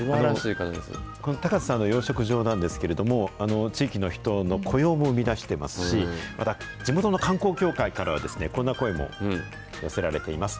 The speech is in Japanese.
高瀬さんの養殖場なんですけれども、地域の人の雇用も生み出してますし、また地元の観光協会からは、こんな声も寄せられています。